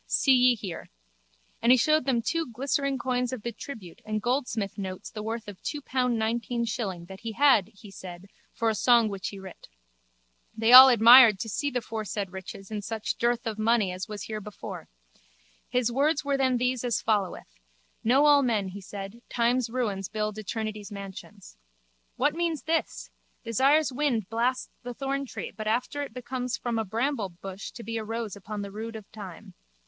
See ye here. And he showed them glistering coins of the tribute and goldsmith notes the worth of two pound nineteen shilling that he had, he said, for a song which he writ. They all admired to see the foresaid riches in such dearth of money as was herebefore. His words were then these as followeth: Know all men, he said, time's ruins build eternity's mansions. What means this? Desire's wind blasts the thorntree but after it becomes from a bramblebush to be a rose upon the rood of time.